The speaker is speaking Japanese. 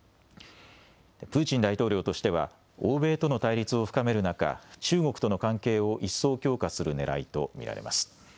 プーチン大統領としては、欧米との対立を深める中、中国との関係を一層強化するねらいと見られます。